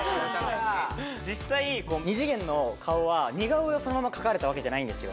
実際２次元の顔は似顔絵をそのまま描かれたわけじゃないんですよ